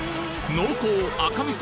濃厚赤味噌